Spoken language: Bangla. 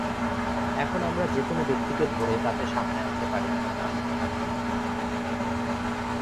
এখন আমরা যে কোনো ব্যক্তিকে ধরে তাতে সামনে আনতে পারিনা, ম্যাডাম।